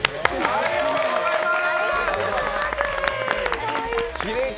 ありがとうございます！